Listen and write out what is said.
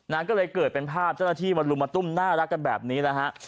ทางก็เลยเกิดเป็นภาพจะละที่มันรุมมาตุ้มน่ารักกันแบบนี้ละฮะ